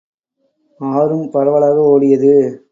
ஆறும் பரவலாக ஓடியது.